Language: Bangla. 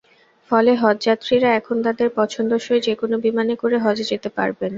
ফলে হজযাত্রীরা এখন তাঁদের পছন্দসই যেকোনো বিমানে করে হজে যেতে পারবেন।